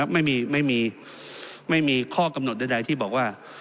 ไม่มีข้อกำหนดใดที่บอกว่า